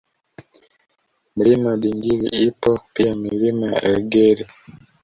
Mlima Dindili ipo pia Milima ya Elgeri